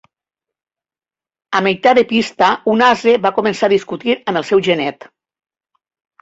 A meitat de pista un ase va començar a discutir amb el seu genet.